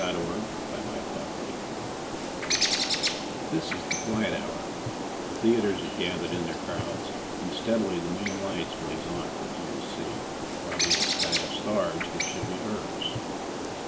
Sara Teasdale Broadway THIS is the quiet hour; the theaters Have gathered in their crowds, and steadily The million lights blaze on for few to see, Robbing the sky of stars that should be hers.